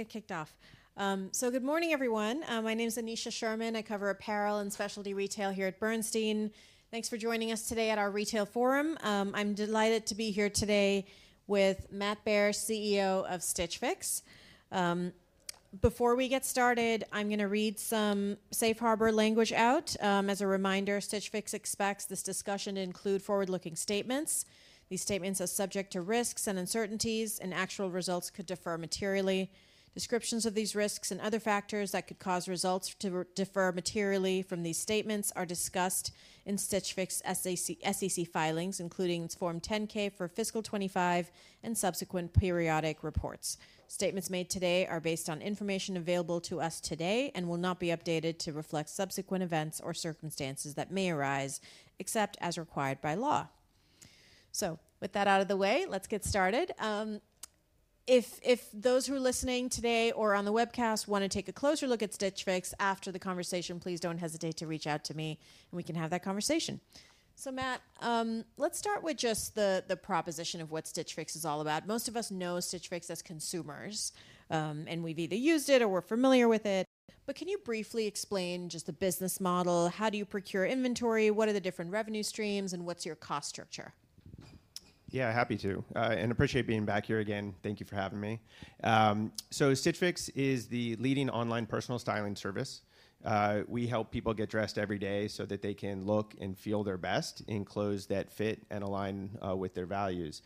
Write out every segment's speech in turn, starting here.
Get kicked off. Good morning, everyone. My name's Aneesha Sherman. I cover apparel and specialty retail here at Bernstein. Thanks for joining us today at our retail forum. I'm delighted to be here today with Matt Baer, CEO of Stitch Fix. Before we get started, I'm going to read some safe harbor language out. As a reminder, Stitch Fix expects this discussion to include forward-looking statements. These statements are subject to risks and uncertainties, and actual results could differ materially. Descriptions of these risks and other factors that could cause results to differ materially from these statements are discussed in Stitch Fix SEC filings, including its Form 10-K for fiscal 2025 and subsequent periodic reports. Statements made today are based on information available to us today and will not be updated to reflect subsequent events or circumstances that may arise, except as required by law. With that out of the way, let's get started. If those who are listening today or on the webcast want to take a closer look at Stitch Fix after the conversation, please don't hesitate to reach out to me and we can have that conversation. Matt, let's start with just the proposition of what Stitch Fix is all about. Most of us know Stitch Fix as consumers, and we've either used it or we're familiar with it, but can you briefly explain just the business model, how do you procure inventory, what are the different revenue streams, and what's your cost structure? Yeah, happy to, and appreciate being back here again. Thank you for having me. Stitch Fix is the leading online personal styling service. We help people get dressed every day so that they can look and feel their best in clothes that fit and align with their values.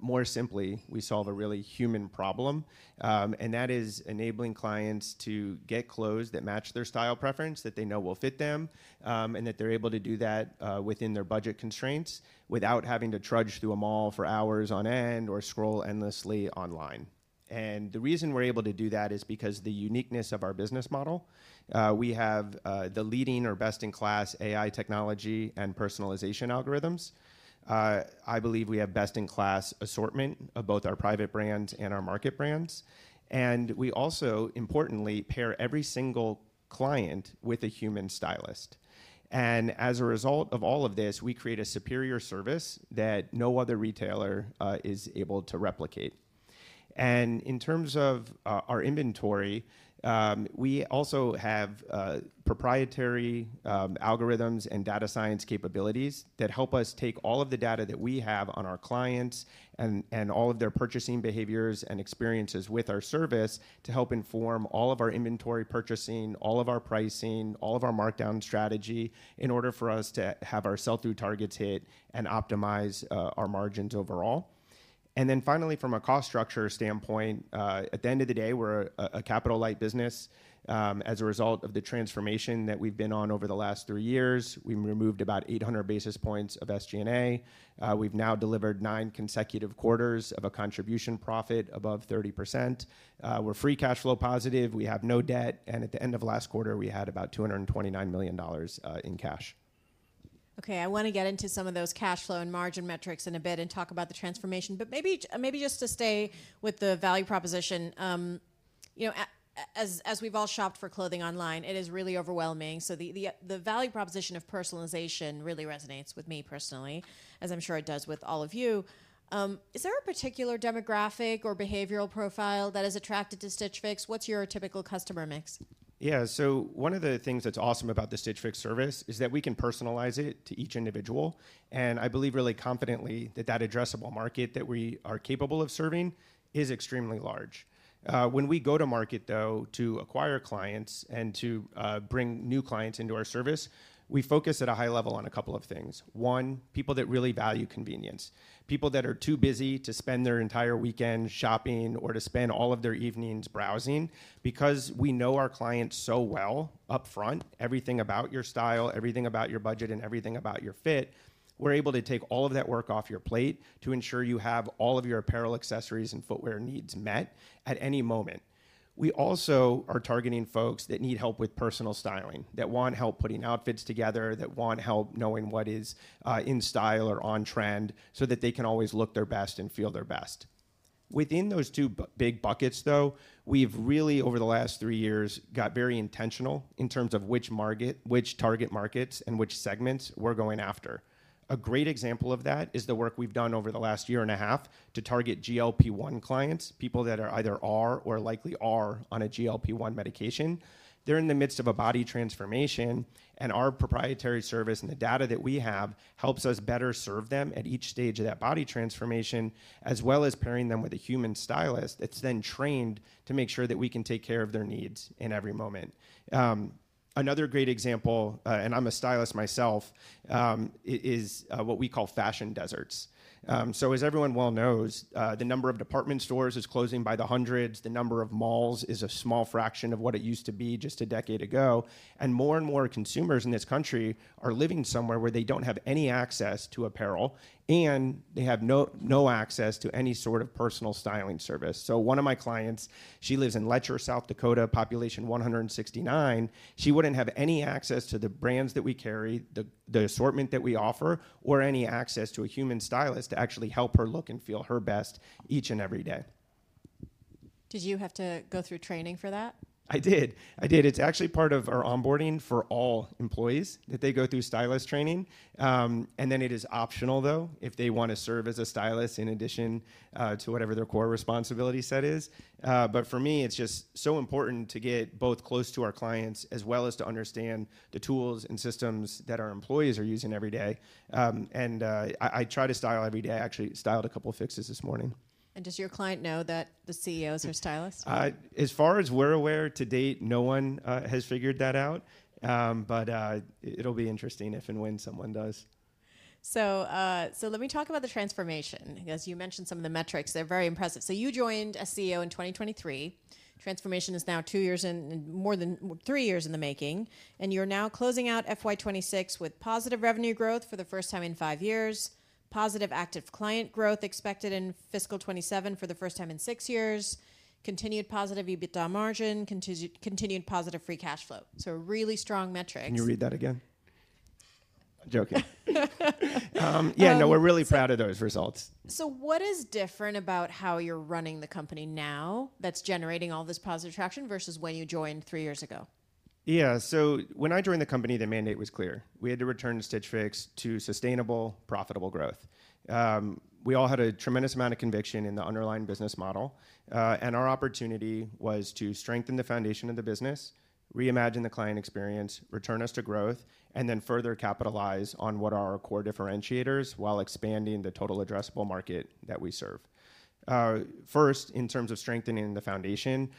More simply, we solve a really human problem, and that is enabling clients to get clothes that match their style preference, that they know will fit them, and that they're able to do that within their budget constraints without having to trudge through a mall for hours on end or scroll endlessly online. The reason we're able to do that is because the uniqueness of our business model. We have the leading or best-in-class AI technology and personalization algorithms. I believe we have best-in-class assortment of both our private brand and our market brands. We also, importantly, pair every single client with a human stylist. As a result of all of this, we create a superior service that no other retailer is able to replicate. In terms of our inventory, we also have proprietary algorithms and data science capabilities that help us take all of the data that we have on our clients and all of their purchasing behaviors and experiences with our service to help inform all of our inventory purchasing, all of our pricing, all of our markdown strategy in order for us to have our sell-through targets hit and optimize our margins overall. Finally, from a cost structure standpoint, at the end of the day, we're a capital-light business. As a result of the transformation that we've been on over the last three years, we've removed about 800 basis points of SG&A. We've now delivered nine consecutive quarters of a contribution profit above 30%. We're free cash flow positive, we have no debt, and at the end of last quarter, we had about $229 million in cash. Okay, I want to get into some of those cash flow and margin metrics in a bit and talk about the transformation. Maybe just to stay with the value proposition. As we've all shopped for clothing online, it is really overwhelming. The value proposition of personalization really resonates with me personally, as I'm sure it does with all of you. Is there a particular demographic or behavioral profile that is attracted to Stitch Fix? What's your typical customer mix? Yeah, one of the things that's awesome about the Stitch Fix service is that we can personalize it to each individual, and I believe really confidently that that addressable market that we are capable of serving is extremely large. When we go to market, though, to acquire clients and to bring new clients into our service, we focus at a high level on a couple of things. One, people that really value convenience, people that are too busy to spend their entire weekend shopping or to spend all of their evenings browsing. Because we know our clients so well upfront, everything about your style, everything about your budget, and everything about your fit, we're able to take all of that work off your plate to ensure you have all of your apparel, accessories, and footwear needs met at any moment. We also are targeting folks that need help with personal styling, that want help putting outfits together, that want help knowing what is in style or on-trend so that they can always look their best and feel their best. Within those two big buckets, though, we've really, over the last three years, got very intentional in terms of which target markets and which segments we're going after. A great example of that is the work we've done over the last year and a half to target GLP-1 clients, people that either are or likely are on a GLP-1 medication. They're in the midst of a body transformation, our proprietary service and the data that we have helps us better serve them at each stage of that body transformation, as well as pairing them with a human stylist that's trained to make sure that we can take care of their needs in every moment. Another great example, and I'm a stylist myself, is what we call fashion deserts. As everyone well knows, the number of department stores is closing by the hundreds. The number of malls is a small fraction of what it used to be just a decade ago. More and more consumers in this country are living somewhere where they don't have any access to apparel, and they have no access to any sort of personal styling service. One of my clients, she lives in Letcher, South Dakota, population 169. She wouldn't have any access to the brands that we carry, the assortment that we offer, or any access to a human stylist to actually help her look and feel her best each and every day. Did you have to go through training for that? I did. It's actually part of our onboarding for all employees, that they go through stylist training. Then it is optional, though, if they want to serve as a stylist in addition to whatever their core responsibility set is. For me, it's just so important to get both close to our clients as well as to understand the tools and systems that our employees are using every day. I actually styled a couple Fixes this morning. Does your client know that the CEO's their stylist? As far as we're aware to date, no one has figured that out. It'll be interesting if and when someone does. Let me talk about the transformation. Because you mentioned some of the metrics. They're very impressive. You joined as CEO in 2023. Transformation is now more than three years in the making. You're now closing out FY 2026 with positive revenue growth for the first time in five years, positive active client growth expected in fiscal 2027 for the first time in six years, continued positive EBITDA margin, continued positive free cash flow. Really strong metrics. Can you read that again? I'm joking. Yeah, no, we're really proud of those results. What is different about how you're running the company now that's generating all this positive traction versus when you joined three years ago? When I joined the company, the mandate was clear. We had to return Stitch Fix to sustainable, profitable growth. We all had a tremendous amount of conviction in the underlying business model. Our opportunity was to strengthen the foundation of the business, reimagine the client experience, return us to growth, then further capitalize on what are our core differentiators while expanding the total addressable market that we serve. First, in terms of strengthening the foundation,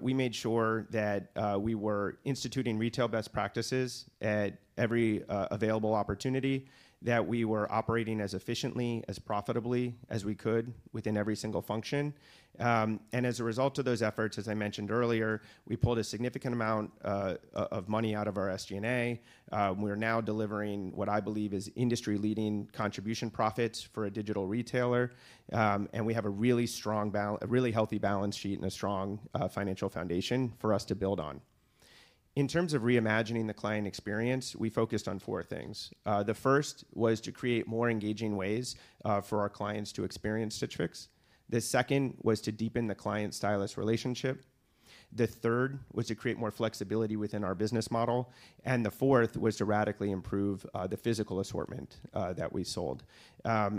we made sure that we were instituting retail best practices at every available opportunity, that we were operating as efficiently, as profitably as we could within every single function. As a result of those efforts, as I mentioned earlier, we pulled a significant amount of money out of our SG&A. We are now delivering what I believe is industry-leading contribution profits for a digital retailer. We have a really healthy balance sheet and a strong financial foundation for us to build on. In terms of reimagining the client experience, we focused on four things. The first was to create more engaging ways for our clients to experience Stitch Fix. The second was to deepen the client-stylist relationship. The third was to create more flexibility within our business model. The fourth was to radically improve the physical assortment that we sold. I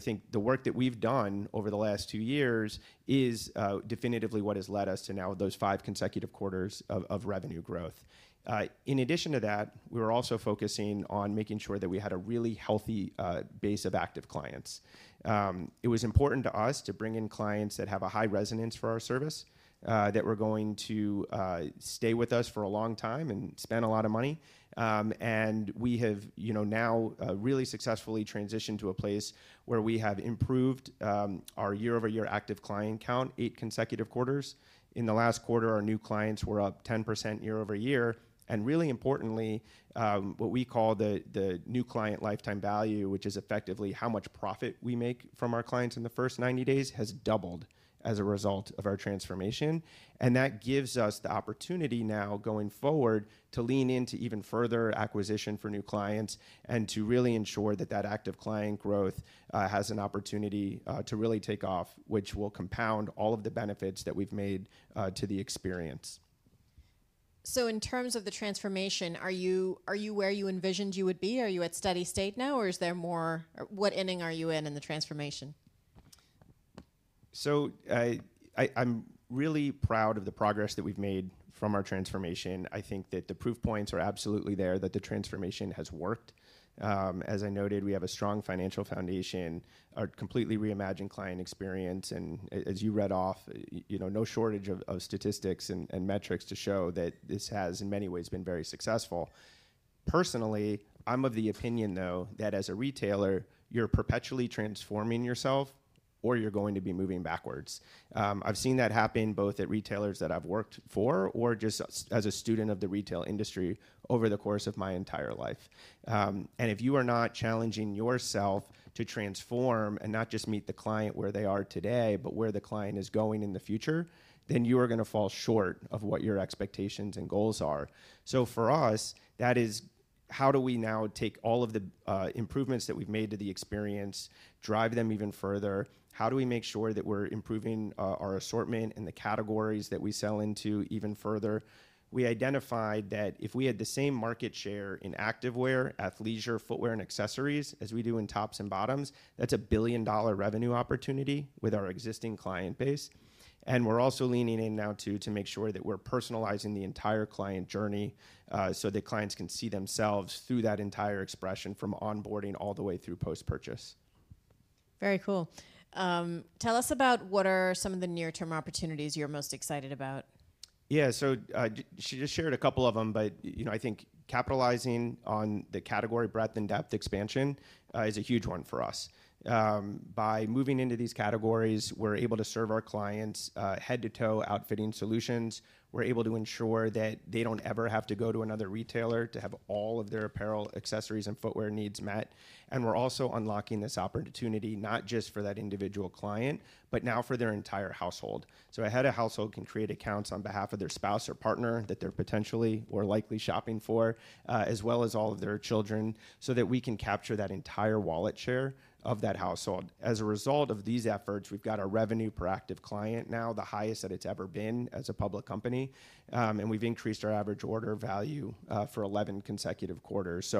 think the work that we've done over the last two years is definitively what has led us to now those five consecutive quarters of revenue growth. In addition to that, we were also focusing on making sure that we had a really healthy base of active clients. It was important to us to bring in clients that have a high resonance for our service, that were going to stay with us for a long time and spend a lot of money. We have now really successfully transitioned to a place where we have improved our year-over-year active client count eight consecutive quarters. In the last quarter, our new clients were up 10% year-over-year. Really importantly, what we call the new client lifetime value, which is effectively how much profit we make from our clients in the first 90 days, has doubled as a result of our transformation. That gives us the opportunity now going forward to lean into even further acquisition for new clients and to really ensure that that active client growth has an opportunity to really take off, which will compound all of the benefits that we've made to the experience. In terms of the transformation, are you where you envisioned you would be? Are you at steady state now, or what inning are you in in the transformation? I'm really proud of the progress that we've made from our transformation. I think that the proof points are absolutely there, that the transformation has worked. As I noted, we have a strong financial foundation, a completely reimagined client experience, and, as you read off, no shortage of statistics and metrics to show that this has, in many ways, been very successful. Personally, I'm of the opinion, though, that as a retailer, you're perpetually transforming yourself, or you're going to be moving backwards. I've seen that happen both at retailers that I've worked for or just as a student of the retail industry over the course of my entire life. If you are not challenging yourself to transform and not just meet the client where they are today, but where the client is going in the future, then you are going to fall short of what your expectations and goals are. For us, that is how do we now take all of the improvements that we've made to the experience, drive them even further? How do we make sure that we're improving our assortment and the categories that we sell into even further? We identified that if we had the same market share in activewear, athleisure, footwear, and accessories as we do in tops and bottoms, that's a billion-dollar revenue opportunity with our existing client base. We're also leaning in now, too, to make sure that we're personalizing the entire client journey, so that clients can see themselves through that entire expression, from onboarding all the way through post-purchase. Very cool. Tell us about what are some of the near-term opportunities you're most excited about. She just shared a couple of them, but I think capitalizing on the category breadth and depth expansion is a huge one for us. By moving into these categories, we're able to serve our clients head-to-toe outfitting solutions. We're able to ensure that they don't ever have to go to another retailer to have all of their apparel, accessories, and footwear needs met. We're also unlocking this opportunity not just for that individual client, but now for their entire household. A head of household can create accounts on behalf of their spouse or partner that they're potentially or likely shopping for, as well as all of their children, so that we can capture that entire wallet share of that household. As a result of these efforts, we've got our revenue per active client now the highest that it's ever been as a public company, and we've increased our average order value for 11 consecutive quarters.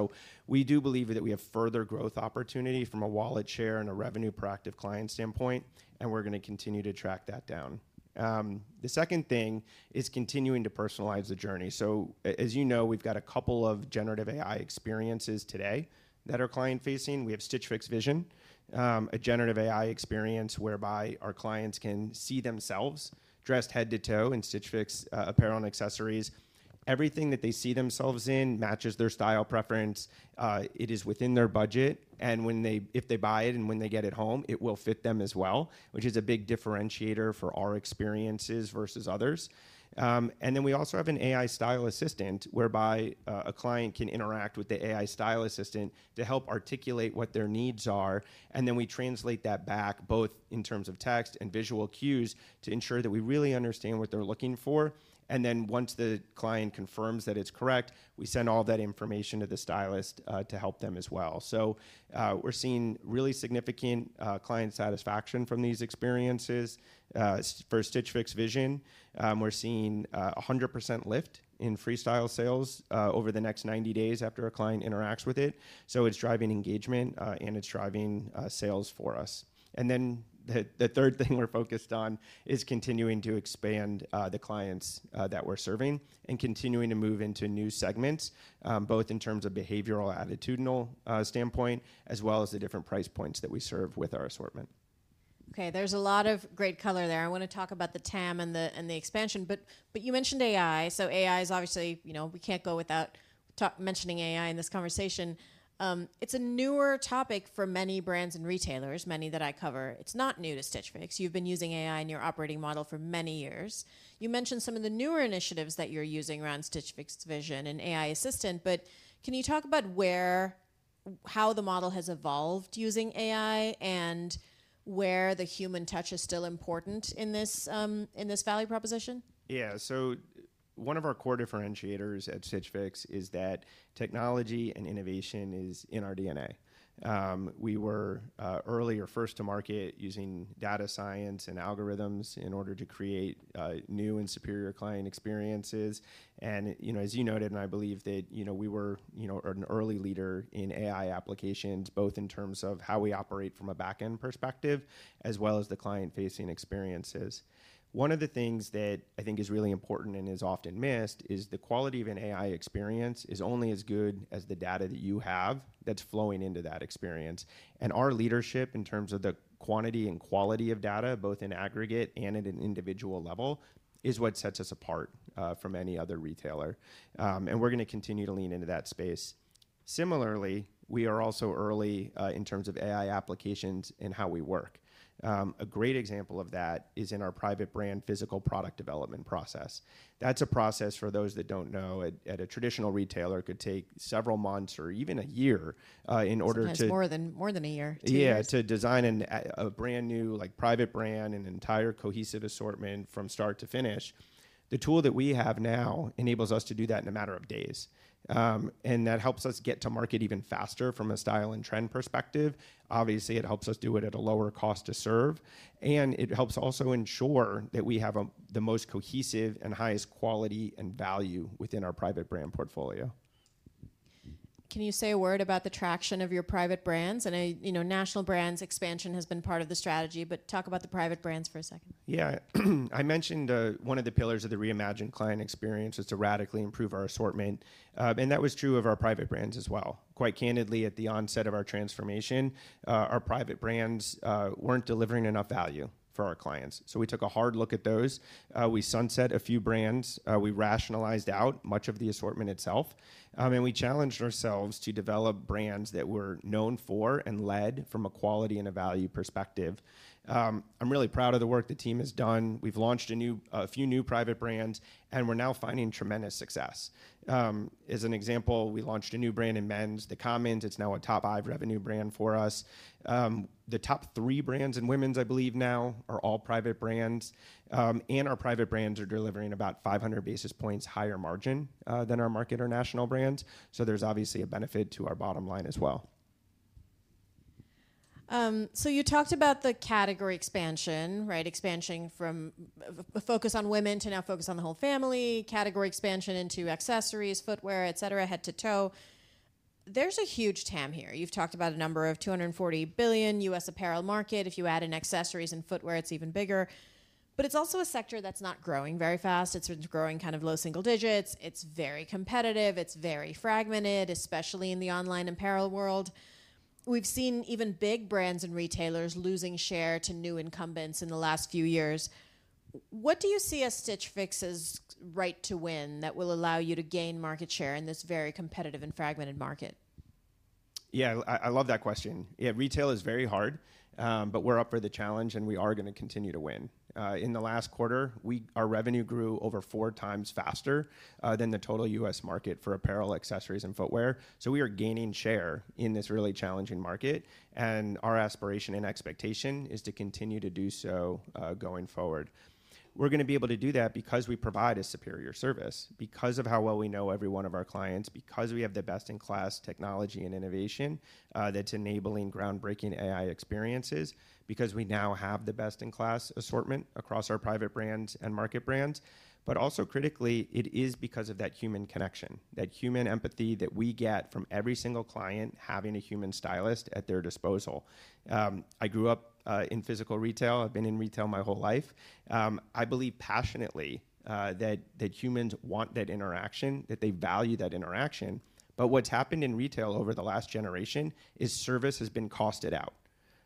We do believe that we have further growth opportunity from a wallet share and a revenue per active client standpoint, and we're going to continue to track that down. The second thing is continuing to personalize the journey. As you know, we've got a couple of generative AI experiences today that are client-facing. We have Stitch Fix Vision, a generative AI experience whereby our clients can see themselves dressed head to toe in Stitch Fix apparel and accessories. Everything that they see themselves in matches their style preference. It is within their budget, and if they buy it and when they get it home, it will fit them as well, which is a big differentiator for our experiences versus others. We also have an AI Style Assistant whereby a client can interact with the AI Style Assistant to help articulate what their needs are, and then we translate that back, both in terms of text and visual cues, to ensure that we really understand what they're looking for. Once the client confirms that it's correct, we send all that information to the stylist to help them as well. We're seeing really significant client satisfaction from these experiences. For Stitch Fix Vision, we're seeing 100% lift in Freestyle sales over the next 90 days after a client interacts with it. It's driving engagement, and it's driving sales for us. The third thing we're focused on is continuing to expand the clients that we're serving and continuing to move into new segments, both in terms of behavioral attitudinal standpoint as well as the different price points that we serve with our assortment. Okay. There's a lot of great color there. I want to talk about the TAM and the expansion. You mentioned AI. AI is obviously we can't go without mentioning AI in this conversation. It's a newer topic for many brands and retailers, many that I cover. It's not new to Stitch Fix. You've been using AI in your operating model for many years. You mentioned some of the newer initiatives that you're using around Stitch Fix Vision and AI Assistant, but can you talk about how the model has evolved using AI and where the human touch is still important in this value proposition? Yeah. One of our core differentiators at Stitch Fix is that technology and innovation is in our DNA. We were early or first to market using data science and algorithms in order to create new and superior client experiences. As you noted, and I believe that we were an early leader in AI applications, both in terms of how we operate from a back-end perspective as well as the client-facing experiences. One of the things that I think is really important and is often missed is the quality of an AI experience is only as good as the data that you have that's flowing into that experience. Our leadership in terms of the quantity and quality of data, both in aggregate and at an individual level, is what sets us apart from any other retailer, and we're going to continue to lean into that space. Similarly, we are also early in terms of AI applications in how we work. A great example of that is in our private brand physical product development process. That's a process, for those that don't know, at a traditional retailer, could take several months or even a year. Sometimes more than a year too. Yeah, to design a brand-new private brand and entire cohesive assortment from start to finish. The tool that we have now enables us to do that in a matter of days, and that helps us get to market even faster from a style and trend perspective. Obviously, it helps us do it at a lower cost to serve, and it helps also ensure that we have the most cohesive and highest quality and value within our private brand portfolio. Can you say a word about the traction of your private brands? National brands expansion has been part of the strategy, but talk about the private brands for a second. Yeah. I mentioned one of the pillars of the reimagined client experience is to radically improve our assortment. That was true of our private brands as well. Quite candidly, at the onset of our transformation, our private brands weren't delivering enough value for our clients. We took a hard look at those. We sunset a few brands. We rationalized out much of the assortment itself. We challenged ourselves to develop brands that we're known for and led from a quality and a value perspective. I'm really proud of the work the team has done. We've launched a few new private brands, and we're now finding tremendous success. As an example, we launched a new brand in men's, The Commons. It's now a top 5 revenue brand for us. The top 3 brands in women's, I believe now, are all private brands. Our private brands are delivering about 500 basis points higher margin than our market or national brands. There's obviously a benefit to our bottom line as well. You talked about the category expansion, right? Expansion from a focus on women to now focus on the whole family, category expansion into accessories, footwear, et cetera, head to toe. There's a huge TAM here. You've talked about a number of $240 billion U.S. apparel market. If you add in accessories and footwear, it's even bigger. It's also a sector that's not growing very fast. It's growing kind of low single digits. It's very competitive. It's very fragmented, especially in the online apparel world. We've seen even big brands and retailers losing share to new incumbents in the last few years. What do you see as Stitch Fix's right to win that will allow you to gain market share in this very competitive and fragmented market? Yeah, I love that question. Yeah, retail is very hard. We're up for the challenge, and we are going to continue to win. In the last quarter, our revenue grew over four times faster than the total U.S. market for apparel, accessories, and footwear. We are gaining share in this really challenging market, and our aspiration and expectation is to continue to do so going forward. We're going to be able to do that because we provide a superior service, because of how well we know every one of our clients, because we have the best-in-class technology and innovation that's enabling groundbreaking AI experiences, because we now have the best-in-class assortment across our private brands and market brands. Also critically, it is because of that human connection, that human empathy that we get from every single client having a human stylist at their disposal. I grew up in physical retail. I've been in retail my whole life. I believe passionately that humans want that interaction, that they value that interaction. What's happened in retail over the last generation is service has been costed out.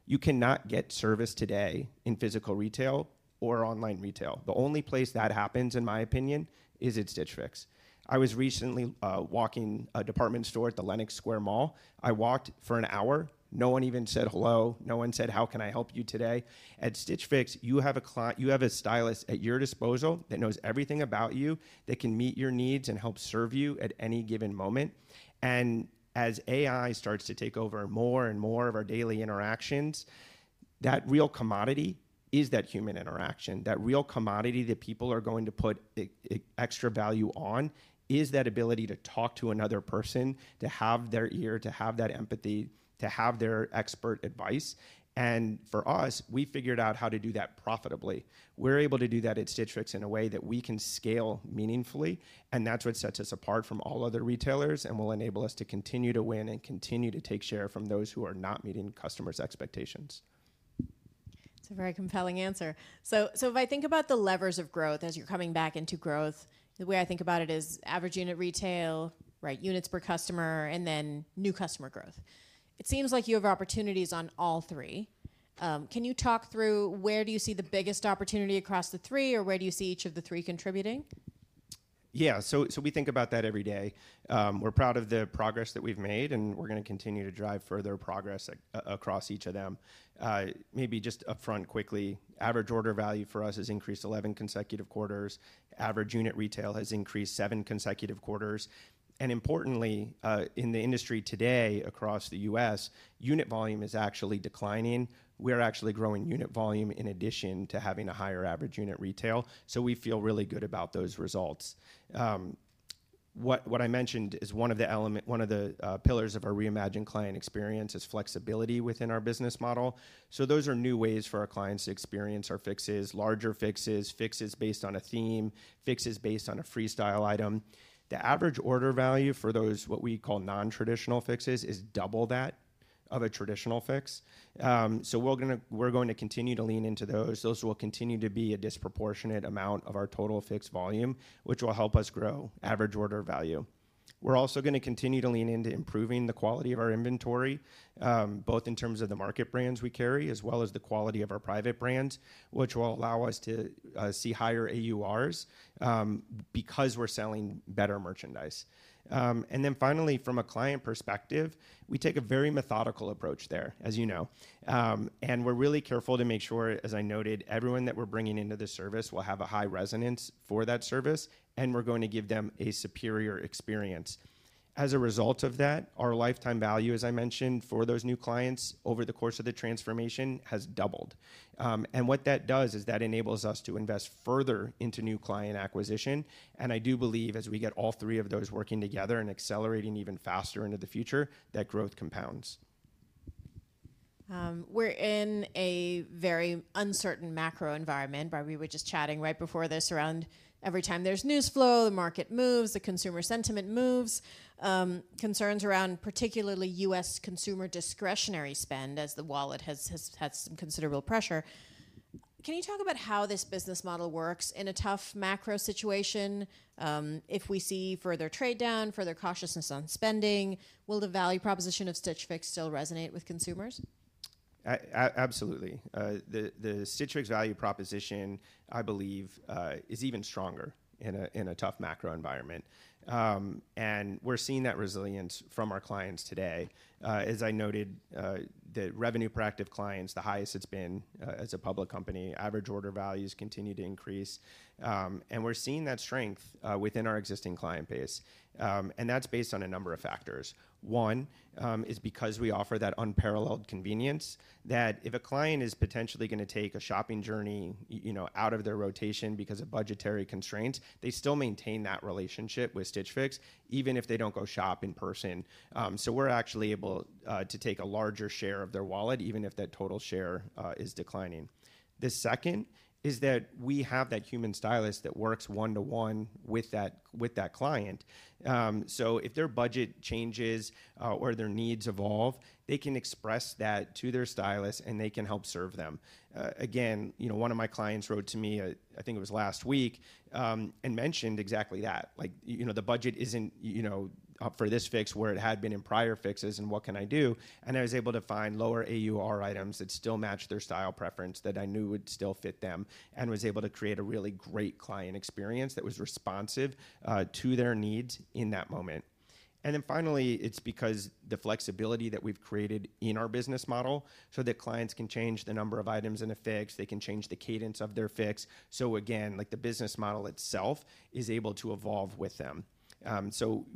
You cannot get service today in physical retail or online retail. The only place that happens, in my opinion, is at Stitch Fix. I was recently walking a department store at the Lenox Square Mall. I walked for an hour. No one even said hello. No one said, "How can I help you today?" At Stitch Fix, you have a stylist at your disposal that knows everything about you, that can meet your needs and help serve you at any given moment. As AI starts to take over more and more of our daily interactions, that real commodity is that human interaction. That real commodity that people are going to put extra value on is that ability to talk to another person, to have their ear, to have that empathy, to have their expert advice. For us, we figured out how to do that profitably. We're able to do that at Stitch Fix in a way that we can scale meaningfully, that's what sets us apart from all other retailers and will enable us to continue to win and continue to take share from those who are not meeting customers' expectations. It's a very compelling answer. If I think about the levers of growth as you're coming back into growth, the way I think about it is average unit retail, units per customer, and then new customer growth. It seems like you have opportunities on all three. Can you talk through where do you see the biggest opportunity across the three, or where do you see each of the three contributing? We think about that every day. We're proud of the progress that we've made, we're going to continue to drive further progress across each of them. Maybe just upfront, quickly, average order value for us has increased 11 consecutive quarters. Average unit retail has increased seven consecutive quarters. Importantly, in the industry today across the U.S., unit volume is actually declining. We're actually growing unit volume in addition to having a higher average unit retail. We feel really good about those results. What I mentioned is one of the pillars of our reimagined client experience is flexibility within our business model. Those are new ways for our clients to experience our fixes, larger fixes based on a theme, fixes based on a Freestyle item. The average order value for those, what we call non-traditional fixes, is double that of a traditional fix. We're going to continue to lean into those. Those will continue to be a disproportionate amount of our total Fix volume, which will help us grow average order value. We're also going to continue to lean into improving the quality of our inventory, both in terms of the market brands we carry as well as the quality of our private brands, which will allow us to see higher AURs because we're selling better merchandise. Finally, from a client perspective, we take a very methodical approach there, as you know. We're really careful to make sure, as I noted, everyone that we're bringing into the service will have a high resonance for that service, and we're going to give them a superior experience. As a result of that, our lifetime value, as I mentioned, for those new clients over the course of the transformation, has doubled. What that does is that enables us to invest further into new client acquisition. I do believe, as we get all three of those working together and accelerating even faster into the future, that growth compounds. We're in a very uncertain macro environment. We were just chatting right before this around every time there's news flow, the market moves, the consumer sentiment moves. Concerns around particularly U.S. consumer discretionary spend as the wallet has had some considerable pressure. Can you talk about how this business model works in a tough macro situation? If we see further trade-down, further cautiousness on spending, will the value proposition of Stitch Fix still resonate with consumers? Absolutely. The Stitch Fix value proposition, I believe, is even stronger in a tough macro environment. We're seeing that resilience from our clients today. As I noted, the revenue per active client is the highest it's been as a public company. Average order values continue to increase. We're seeing that strength within our existing client base, and that's based on a number of factors. One is because we offer that unparalleled convenience, that if a client is potentially going to take a shopping journey out of their rotation because of budgetary constraints, they still maintain that relationship with Stitch Fix, even if they don't go shop in person. We're actually able to take a larger share of their wallet, even if that total share is declining. The second is that we have that human stylist that works one-to-one with that client. If their budget changes or their needs evolve, they can express that to their stylist, and they can help serve them. One of my clients wrote to me, I think it was last week, and mentioned exactly that. The budget isn't up for this Fix where it had been in prior Fixes, and what can I do? I was able to find lower AUR items that still matched their style preference that I knew would still fit them and was able to create a really great client experience that was responsive to their needs in that moment. Finally, it's because the flexibility that we've created in our business model so that clients can change the number of items in a Fix, they can change the cadence of their Fix. The business model itself is able to evolve with them.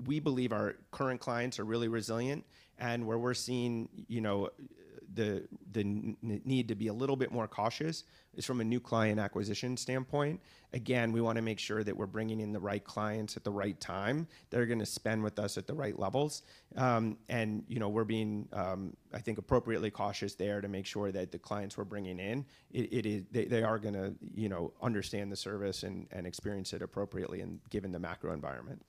We believe our current clients are really resilient, and where we're seeing the need to be a little bit more cautious is from a new client acquisition standpoint. We want to make sure that we're bringing in the right clients at the right time that are going to spend with us at the right levels. We're being, I think, appropriately cautious there to make sure that the clients we're bringing in, they are going to understand the service and experience it appropriately given the macro environment.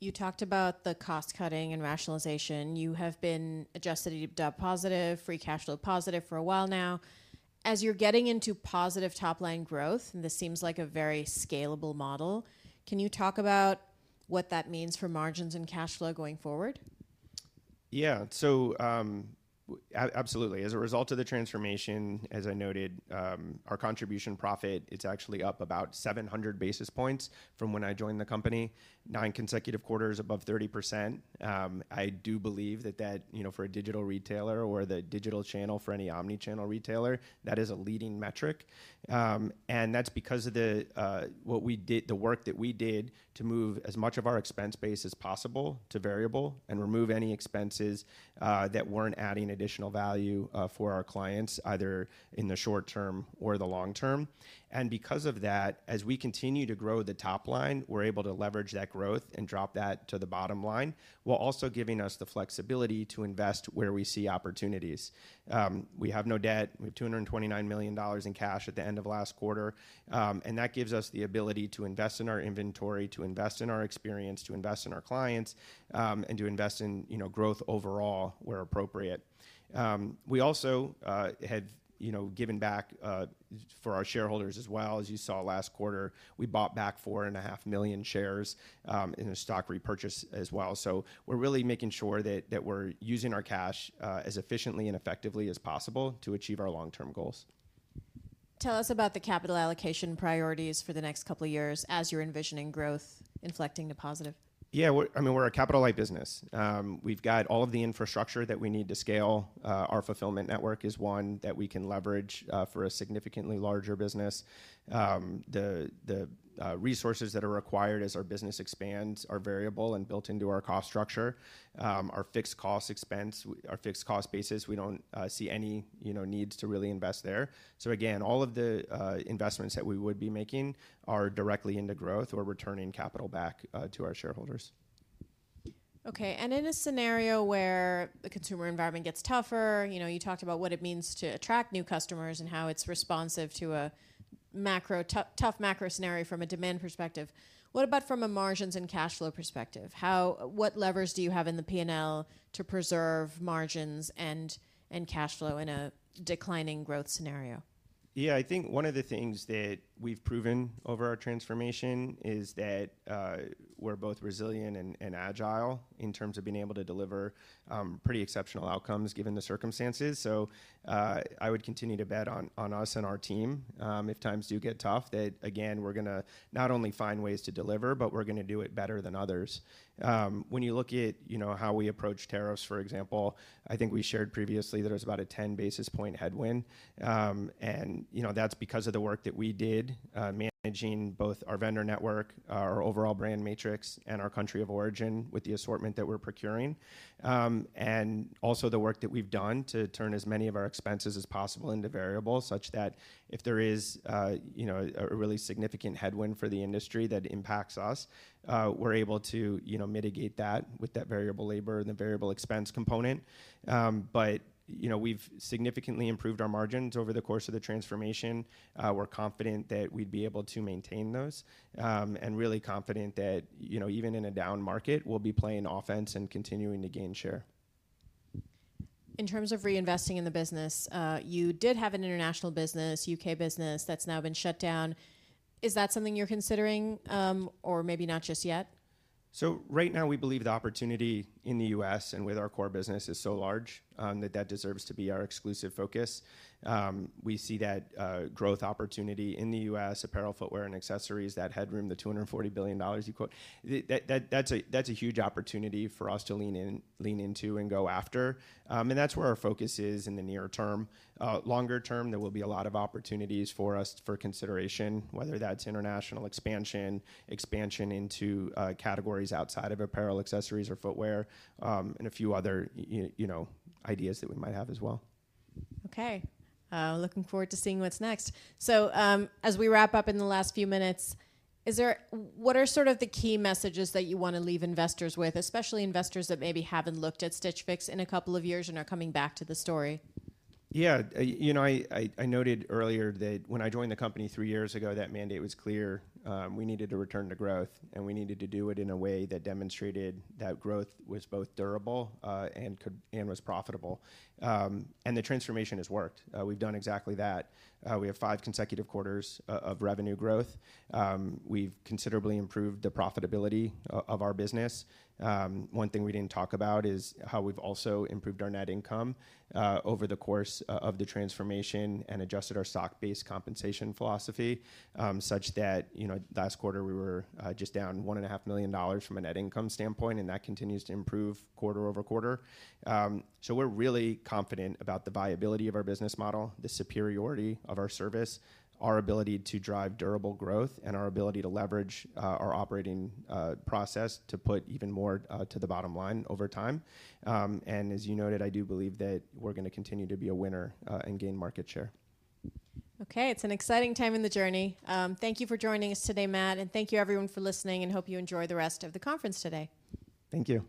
You talked about the cost-cutting and rationalization. You have been adjusted EBITDA positive, free cash flow positive for a while now. As you're getting into positive top-line growth, this seems like a very scalable model, can you talk about what that means for margins and cash flow going forward? Yeah. Absolutely. As a result of the transformation, as I noted, our contribution profit, it's actually up about 700 basis points from when I joined the company, nine consecutive quarters above 30%. I do believe that for a digital retailer or the digital channel for any omni-channel retailer, that is a leading metric. That's because of the work that we did to move as much of our expense base as possible to variable and remove any expenses that weren't adding additional value for our clients, either in the short term or the long term. Because of that, as we continue to grow the top line, we're able to leverage that growth and drop that to the bottom line, while also giving us the flexibility to invest where we see opportunities. We have no debt. We have $229 million in cash at the end of last quarter. That gives us the ability to invest in our inventory, to invest in our experience, to invest in our clients, to invest in growth overall where appropriate. We also have given back for our shareholders as well. As you saw last quarter, we bought back four and a half million shares in a stock repurchase as well. We're really making sure that we're using our cash as efficiently and effectively as possible to achieve our long-term goals. Tell us about the capital allocation priorities for the next couple of years as you're envisioning growth inflecting to positive. We're a capital-light business. We've got all of the infrastructure that we need to scale. Our fulfillment network is one that we can leverage for a significantly larger business. The resources that are required as our business expands are variable and built into our cost structure. Our fixed cost basis, we don't see any needs to really invest there. Again, all of the investments that we would be making are directly into growth or returning capital back to our shareholders. In a scenario where the consumer environment gets tougher, you talked about what it means to attract new customers and how it's responsive to a tough macro scenario from a demand perspective. What about from a margins and cash flow perspective? What levers do you have in the P&L to preserve margins and cash flow in a declining growth scenario? Yeah. I think one of the things that we've proven over our transformation is that we're both resilient and agile in terms of being able to deliver pretty exceptional outcomes given the circumstances. I would continue to bet on us and our team, if times do get tough, that again, we're going to not only find ways to deliver, but we're going to do it better than others. When you look at how we approach tariffs, for example, I think we shared previously there was about a 10 basis point headwind, and that's because of the work that we did managing both our vendor network, our overall brand matrix, and our country of origin with the assortment that we're procuring. Also the work that we've done to turn as many of our expenses as possible into variables such that if there is a really significant headwind for the industry that impacts us, we're able to mitigate that with that variable labor and the variable expense component. We've significantly improved our margins over the course of the transformation. We're confident that we'd be able to maintain those, and really confident that even in a down market, we'll be playing offense and continuing to gain share. In terms of reinvesting in the business, you did have an international business, U.K. business, that's now been shut down. Is that something you're considering, or maybe not just yet? Right now, we believe the opportunity in the U.S. and with our core business is so large that that deserves to be our exclusive focus. We see that growth opportunity in the U.S. apparel, footwear, and accessories, that headroom, the $240 billion you quote, that's a huge opportunity for us to lean into and go after. That's where our focus is in the near term. Longer term, there will be a lot of opportunities for us for consideration, whether that's international expansion into categories outside of apparel, accessories, or footwear, and a few other ideas that we might have as well. Okay. Looking forward to seeing what's next. As we wrap up in the last few minutes, what are sort of the key messages that you want to leave investors with, especially investors that maybe haven't looked at Stitch Fix in a couple of years and are coming back to the story? Yeah. I noted earlier that when I joined the company three years ago, that mandate was clear. We needed to return to growth, and we needed to do it in a way that demonstrated that growth was both durable and was profitable. The transformation has worked. We've done exactly that. We have five consecutive quarters of revenue growth. We've considerably improved the profitability of our business. One thing we didn't talk about is how we've also improved our net income over the course of the transformation and adjusted our stock-based compensation philosophy, such that last quarter we were just down $1.5 million from a net income standpoint, and that continues to improve quarter-over-quarter. We're really confident about the viability of our business model, the superiority of our service, our ability to drive durable growth, and our ability to leverage our operating process to put even more to the bottom line over time. As you noted, I do believe that we're going to continue to be a winner and gain market share. Okay. It's an exciting time in the journey. Thank you for joining us today, Matt, thank you everyone for listening, hope you enjoy the rest of the conference today. Thank you.